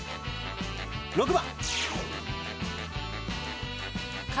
６番。